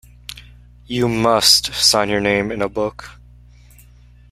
You must sign your name in a book.